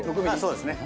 そうですね。